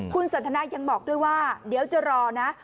คุณสันทนายังบอกด้วยว่าเดี๋ยวจะรอนะ